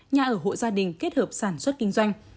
nhà ở hộ gia đình kết hợp sản xuất kinh doanh